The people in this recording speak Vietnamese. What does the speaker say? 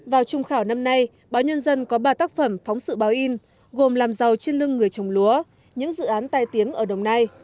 vào trung khảo năm nay báo nhân dân có ba tác phẩm phóng sự báo in gồm làm giàu trên lưng người trồng lúa những dự án tai tiếng ở đồng nai